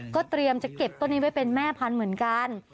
ก็เตรียมจะเก็บต้นนี้ไว้เป็นแม่พันธุ์เหมือนกัน